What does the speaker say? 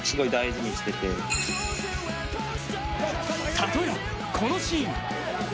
例えば、このシーン。